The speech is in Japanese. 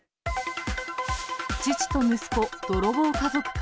父と息子、泥棒家族か。